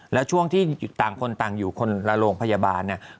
แล้วช่วงที่ต่างคนต่างอยู่คนละโรงพยาบาลเนี่ย